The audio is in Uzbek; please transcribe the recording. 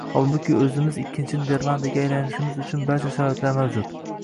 Holbuki, o‘zimiz ikkinchi Niderlandiyaga aylanishimiz uchun barcha sharoitlar mavjud.